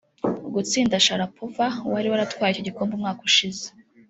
Gutsinda Sharapova wari waratwaye icyo gikombe umwaka ushize